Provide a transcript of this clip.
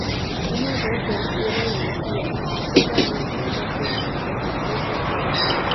Una voz del cielo le decía "Se valiente y no temas, pues estoy contigo".